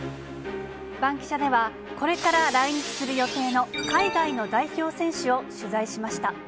バンキシャではこれから来日する予定の海外の代表選手を取材しました。